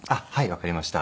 わかりました。